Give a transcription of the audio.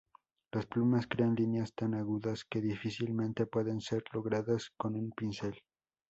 Las plumas crean líneas tan agudas que difícilmente pueden ser logradas con un pincel.